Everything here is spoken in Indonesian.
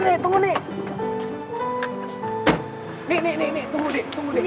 nih nih nih nih tunggu nih tunggu nih